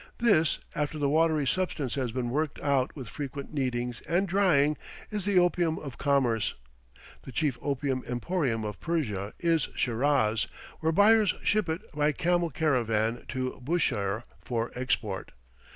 This, after the watery substance has been worked out with frequent kneadings and drying, is the opium of commerce. The chief opium emporium of Persia is Shiraz, where buyers ship it by camel caravan to Bushire for export.